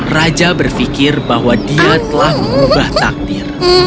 raja berfikir bahwa dia telah mengubah takdir